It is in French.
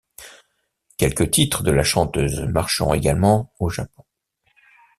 Quelques titres de la chanteuse marcheront également au Japon.